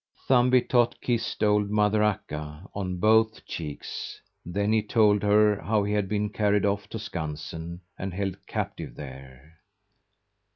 Thumbietot kissed old Mother Akka on both cheeks, then he told her how he had been carried off to Skansen and held captive there.